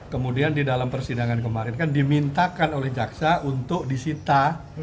kemudian di dalam persidangan kemarin kan dimintakan oleh jaksa untuk disita